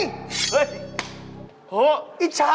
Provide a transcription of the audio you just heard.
ถ้าเป็นปากถ้าเป็นปาก